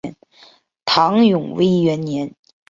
唐永徽元年。